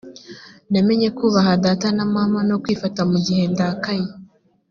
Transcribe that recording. namenye kubaha data na mama no kwifata mu gihe ndakaye.